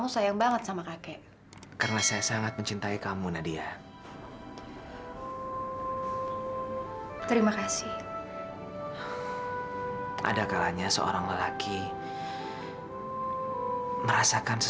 sampai jumpa di video selanjutnya